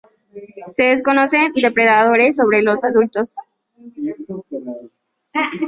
Se desconocen depredadores sobre los adultos.